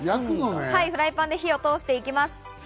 フライパンで火を通していきます。